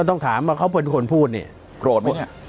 ต้องถามว่าเขาเป็นคนพูดนี่โกรธไหมเนี่ย